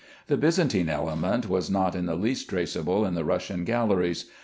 The Byzantine element was not in the least traceable in the Russian galleries.